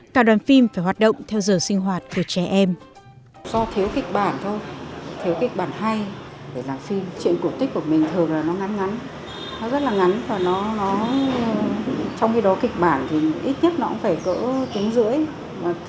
cả đoàn phim phải hoạt động theo giờ sinh hoạt của trẻ em